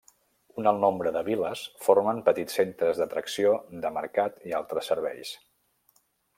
Un alt nombre de viles formen petits centres d'atracció de mercat i altres serveis.